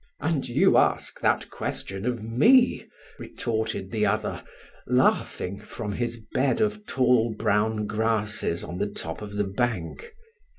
"And you ask that question of me!" retorted the other, laughing from his bed of tall brown grasses on the top of the bank.